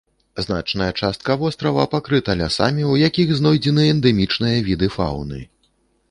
Значная частка вострава пакрыта лясамі, у якіх знойдзены эндэмічныя віды фаўны.